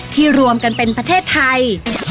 รวมกันเป็นประเทศไทย